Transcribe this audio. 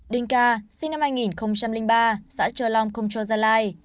đình ca sinh năm hai nghìn ba xã châu long công châu gia lai